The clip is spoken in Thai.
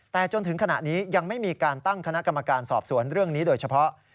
แต่จนถึงขณะนี้ยังไม่มีการตั้งคณะกรรมการสอบสวนเรื่องนี้โดยเฉพาะ